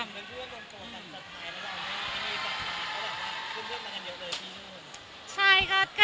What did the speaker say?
มีความสุขมากค่ะ